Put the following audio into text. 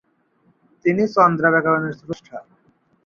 তিনি চান্দ্র-ব্যাকরণের স্রষ্টা।